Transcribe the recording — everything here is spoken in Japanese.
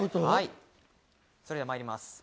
それでは参ります。